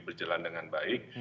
berjalan dengan baik